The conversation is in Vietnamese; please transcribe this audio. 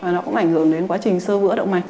nó cũng ảnh hưởng đến quá trình sơ vữa động mạch